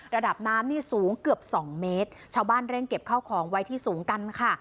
ระดับน้ำนี่สูงเกือบสองเมตรชาวบ้านเร่งเก็บข้าวของไว้ที่สูงกันค่ะ